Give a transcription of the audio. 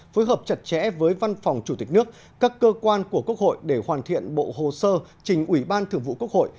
phối hợp chặt chẽ với văn phòng chủ tịch nước các cơ quan của quốc hội để hoàn thiện bộ hồ sơ trình ủy ban thường vụ quốc hội